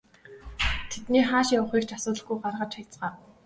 Тэдний хааш явахыг ч асуулгүй гаргаж хаяцгаав.